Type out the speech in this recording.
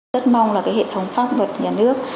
rất mong là cái hệ thống pháp luật nhà nước